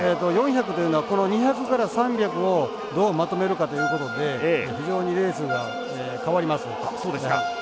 ４００というのはこの２００から３００をどうまとめるかということで非常にレースが変わります。